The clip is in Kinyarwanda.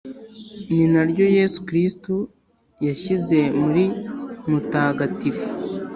ni naryo yezu kristu yashyize muri mutagatifu